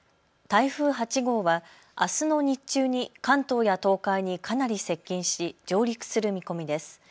台風８号はあすの日中に関東や東海にかなり接近し上陸する見込みです。